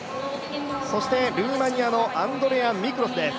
そしてルーマニアのアンドレア・ミクロスです。